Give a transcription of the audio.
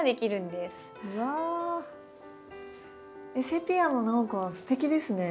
セピアも何かすてきですね。